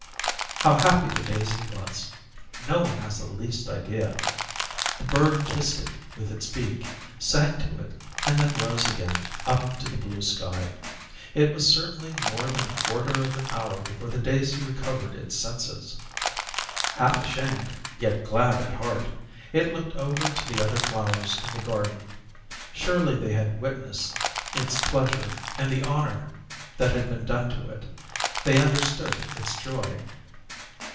How happy the daisy was! No one has the least idea. The bird kissed it with its beak, sang to it, and then rose again up to the blue sky. It was certainly more than a quarter of an hour before the daisy recovered its senses. Half ashamed, yet glad at heart, it looked over to the other flowers in the garden; surely they had witnessed its pleasure and the honour that had been done to it; they understood its joy.